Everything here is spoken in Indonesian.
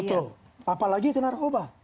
betul apalagi ke narkoba